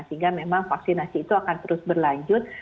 sehingga memang vaksinasi itu akan terus berlanjut